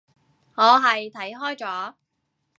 我係睇開咗